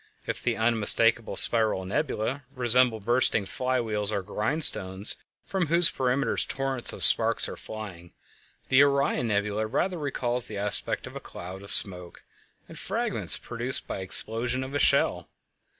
If the unmistakably spiral nebulæ resemble bursting fly wheels or grindstones from whose perimeters torrents of sparks are flying, the Orion Nebula rather recalls the aspect of a cloud of smoke and fragments produced by the explosion of a shell.